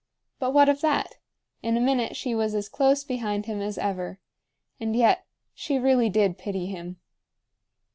But what of that? In a minute she was as close behind him as ever. And yet, she really did pity him.